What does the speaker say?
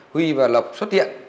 huy và lộc xuất hiện